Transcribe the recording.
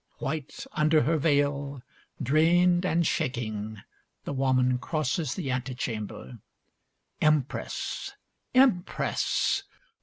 White under her veil, drained and shaking, the woman crosses the antechamber. Empress! Empress!